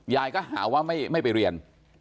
ยายก็หาว่าไม่ไปเรียน